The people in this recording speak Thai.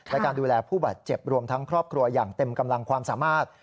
และการดูแลผู้บาดเจ็บรวมทั้งครอบครัวอย่างเต็มกำลังความสามารถ